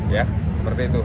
ya seperti itu